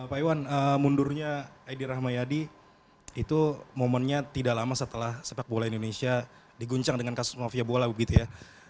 pak iwan mundurnya edi rahmayadi itu momennya tidak lama setelah sepak bola indonesia diguncang dengan kasus mafia bola begitu ya